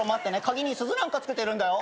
鍵に鈴なんかつけてるんだよ。